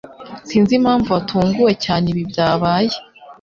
Sinzi impamvu watunguwe cyane ibi byabaye.